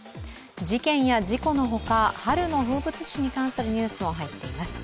事件や事故のほか春の風物詩に関するニュースも入っています。